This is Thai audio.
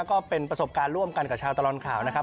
ก็เป็นประสบการณ์ร่วมกันกับชาวตลอดข่าวนะครับ